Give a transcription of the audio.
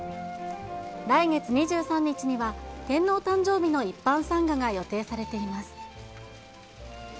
来月２３日には、天皇誕生日の一般参賀が予定されています。